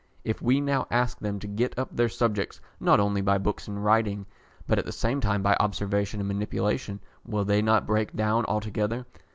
If we now ask them to get up their subjects not only by books and writing, but at the same time by observation and manipulation, will they not break down altogether?